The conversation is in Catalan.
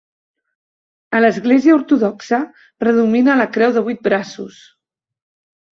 A l'Església Ortodoxa predomina la creu de vuit braços.